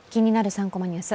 ３コマニュース」